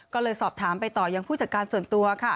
ก็เลยสอบถามไปต่อยังผู้จัดการส่วนตัว